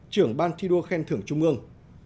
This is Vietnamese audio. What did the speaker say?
trưởng ban thi đua khen thưởng trung ương